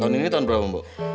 tahun ini tahun berapa mbak